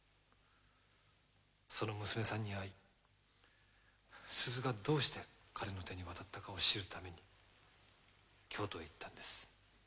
その娘さんに会い鈴がどうして彼の手に渡ったかを知るために京都へ行ったんです。